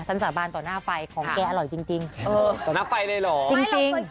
สั่นสะบานต่อหน้าไปของแกอร่อยจริง